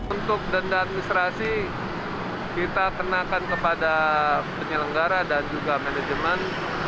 untuk denda administrasi kita kenakan kepada penyelenggara dan juga manajemen